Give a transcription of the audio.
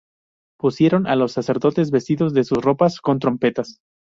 Pusieron á los sacerdotes vestidos de sus ropas, con trompetas.